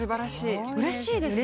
うれしいですね。